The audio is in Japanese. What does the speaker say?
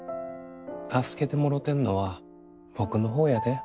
助けてもろてんのは僕の方やで。